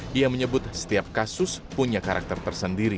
dia menyebut setiap kasus punya karakter tersendiri